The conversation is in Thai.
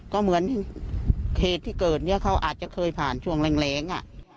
ก็เหมือนเหตุที่เกิดเนี่ยเขาอาจจะเคยผ่านช่วงแรง